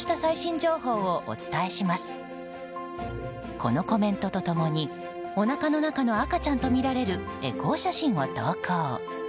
このコメントと共におなかの中の赤ちゃんとみられるエコー写真を投稿。